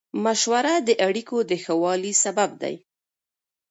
مشوره د اړیکو د ښه والي سبب دی.